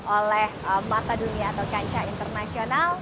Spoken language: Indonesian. oleh mata dunia atau kancah internasional